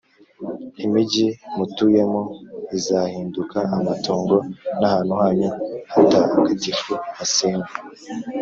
Imigi mutuyemo izahinduka amatongo n’ahantu hanyu hatagatifu hasenywe